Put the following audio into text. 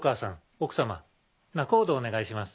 奥様仲人をお願いします。